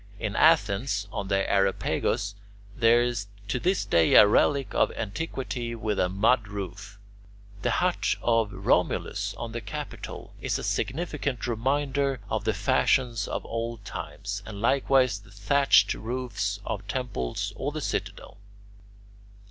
In Athens on the Areopagus there is to this day a relic of antiquity with a mud roof. The hut of Romulus on the Capitol is a significant reminder of the fashions of old times, and likewise the thatched roofs of temples or the Citadel.